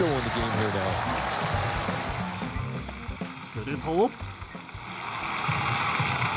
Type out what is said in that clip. すると。